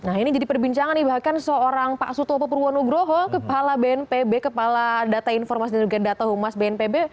nah ini jadi perbincangan nih bahkan seorang pak sutopo purwonugroho kepala bnpb kepala data informasi dan juga data humas bnpb